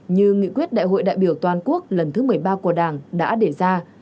như nghị quyết đại hội đại biểu toàn quốc lần thứ một mươi ba của đảng đã đề ra